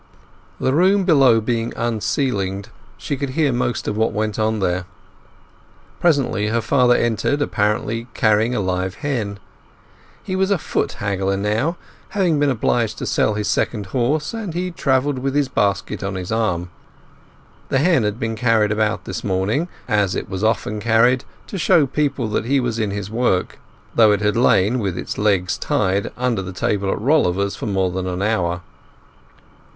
The room below being unceiled she could hear most of what went on there. Presently her father entered, apparently carrying in a live hen. He was a foot haggler now, having been obliged to sell his second horse, and he travelled with his basket on his arm. The hen had been carried about this morning as it was often carried, to show people that he was in his work, though it had lain, with its legs tied, under the table at Rolliver's for more than an hour.